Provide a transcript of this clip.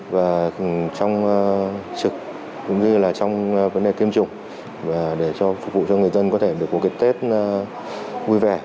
và trong trực cũng như là trong vấn đề kiêm chủng và để cho phục vụ cho người dân có thể có cái tết vui vẻ